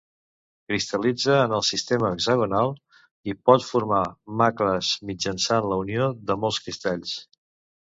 Cristal·litza en el sistema hexagonal i pot formar macles mitjançant la unió de molts cristalls.